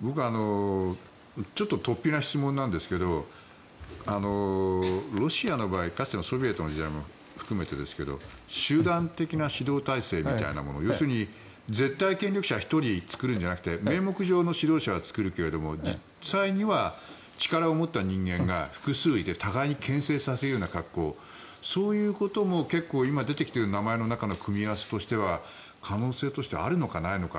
僕はちょっと突飛な質問なんですけどロシアの場合、かつてのソビエトの時代も含めてですが集団的な指導体制みたいなもの要するに絶対権力者を１人作るのではなくて名目上の指導者は作るけど実際には力を持った人間が複数いて互いにけん制させるような格好そういうことも今、出てきている名前の中の組み合わせとしては可能性としてはあるのかないのか。